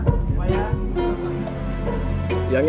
cuma yang ini